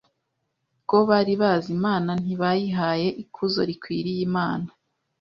bwo bari bazi Imana ntibayihaye ikuzo rikwiriye Imana